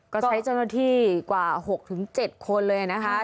ก็ใช้เจ้าหน้าที่กว่า๖๗คนเลยนะคะ